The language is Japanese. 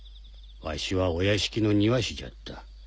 わしはお屋敷の庭師じゃった。